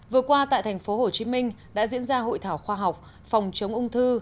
vừa qua tại tp hcm đã diễn ra hội thảo khoa học phòng chống ung thư